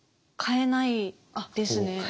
変えないですね。